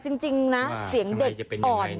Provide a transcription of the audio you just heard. จริงนะเสียงเด็กอ่อน